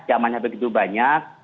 zamannya begitu banyak